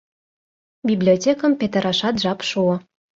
Библиотекым петырашат жап шуо.